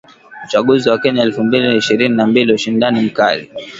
Uchaguzi wa Kenya elfu mbili ishirini na mbili : ushindani mkali